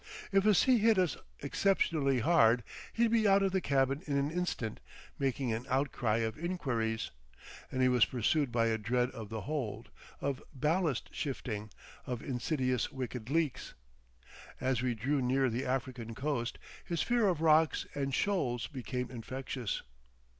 If a sea hit us exceptionally hard he'd be out of the cabin in an instant making an outcry of inquiries, and he was pursued by a dread of the hold, of ballast shifting, of insidious wicked leaks. As we drew near the African coast his fear of rocks and shoals became infectious.